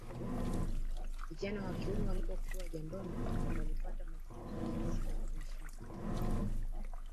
Vijana wa kiume walipokuwa jandoni walipata mafunzo jinsi ya kuishi na familia